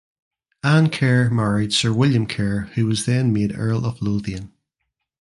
Anne Kerr married Sir William Kerr who was then made Earl of Lothian.